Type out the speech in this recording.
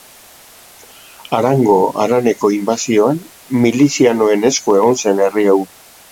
Arango haraneko inbasioan milizianoen esku egon zen herri hau.